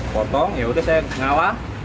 potong yaudah saya ngalah